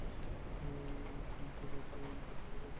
তিনি ফিউরার বাংকারে সস্ত্রীক আত্মহত্যা করেন।